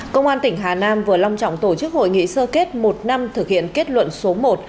công an tỉnh hà nam vừa long trọng tổ chức hội nghị sơ kết một năm thực hiện kết luận số một